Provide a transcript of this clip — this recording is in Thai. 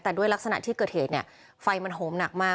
แต่ด้วยลักษณะที่เกิดเหตุเนี่ยไฟมันโหมหนักมาก